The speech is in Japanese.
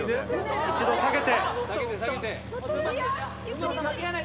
一度下げて。